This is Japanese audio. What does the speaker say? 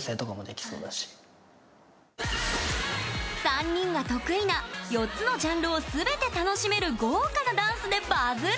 ３人が得意な４つのジャンルをすべて楽しめる豪華なダンスでバズる！